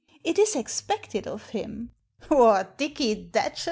It is expected of him." " What, Dicky Datchet